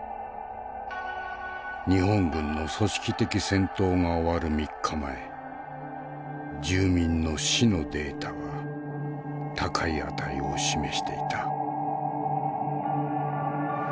日本軍の組織的戦闘が終わる３日前住民の死のデータは高い値を示していた。